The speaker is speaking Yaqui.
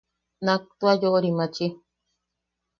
Nak tua yorimachine.